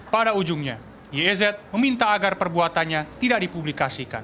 pada ujungnya yez meminta agar perbuatannya tidak dipublikasikan